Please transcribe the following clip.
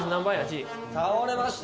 ちい倒れました！